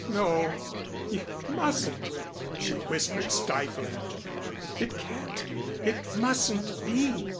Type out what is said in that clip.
"No, no you mustn't," she whispered, stifling. "It can't it mustn't be.